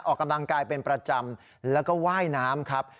ออกกำลังกายเป็นประจำแล้วก็ว่ายน้ำครับ